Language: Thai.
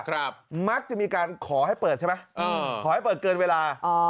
ครับมักจะมีการขอให้เปิดใช่ไหมเออขอให้เปิดเกินเวลาอ๋อ